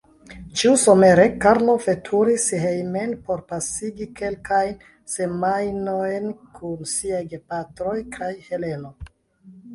Ĉiusomere Karlo veturis hejmen por pasigi kelkajn semajnojn kun siaj gepatroj kaj Heleno.